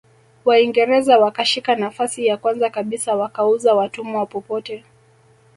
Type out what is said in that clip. Waingereza wakashika nafasi ya kwanza kabisa wakauza watumwa popote